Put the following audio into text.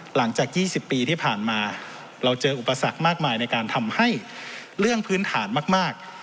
หลังจาก๒๐ปีที่ผ่านมาเราเจออุปสรรคมากมายในการทำให้เรื่องพื้นฐานมาก